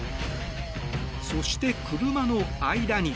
そして車の間に。